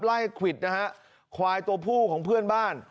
ควิดนะฮะควายตัวผู้ของเพื่อนบ้าน